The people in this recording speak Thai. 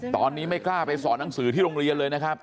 ตอนนี้ไม่กล้าไปสอนหนังสือที่โรงเรียนเลยนะครับ